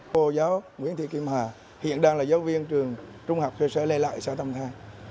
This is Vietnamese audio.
cô giáo nguyễn thị kim hà hiện đang là giáo viên trường trung học cơ sở lê lại xã tâm tha